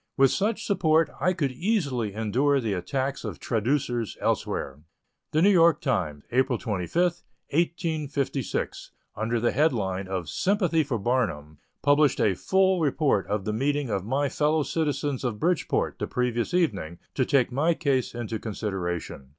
With such support I could easily endure the attacks of traducers elsewhere. The New York Times, April 25, 1856, under the head of "Sympathy for Barnum," published a full report of the meeting of my fellow citizens of Bridgeport, the previous evening, to take my case into consideration.